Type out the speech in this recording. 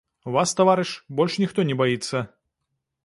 Вас, таварыш, больш ніхто не баіцца.